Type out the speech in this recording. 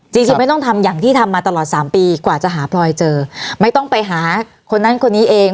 จริงจริงไม่ต้องทำอย่างที่ทำมาตลอดสามปีกว่าจะหาพลอยเจอไม่ต้องไปหาคนนั้นคนนี้เอง